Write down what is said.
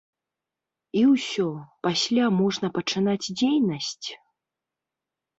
І ўсё, пасля можна пачынаць дзейнасць?